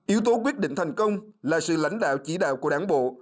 yếu tố quyết định thành công là sự lãnh đạo chỉ đạo của đảng bộ